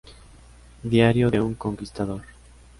Diario de un conquistador’.